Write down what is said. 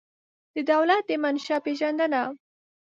د دولت د منشا پېژندنه